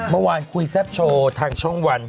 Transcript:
เมื่อวานคุยแซ่บโชว์ทางช่องวัน